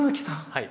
はい。